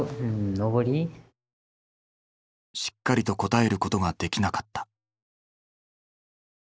しっかりと答えることができなかった。